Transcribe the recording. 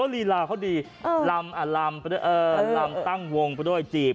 ลีลาเขาดีลำลำตั้งวงไปด้วยจีบ